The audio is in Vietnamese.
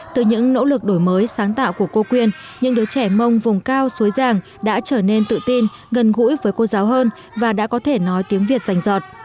từ những nỗ lực đổi mới sáng tạo của cô quyên những đứa trẻ mông vùng cao suối ràng đã trở nên tự tin gần gũi với cô giáo hơn và đã có thể nói tiếng việt rành rọt